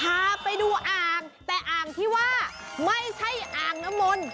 พาไปดูอ่างแต่อ่างที่ว่าไม่ใช่อ่างน้ำมนต์